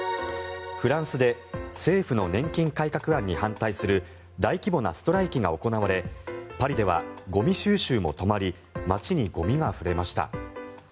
フランスで政府の年金改革案に反対する大規模なストライキが行われパリではゴミ収集も止まり街にゴミがあふれました。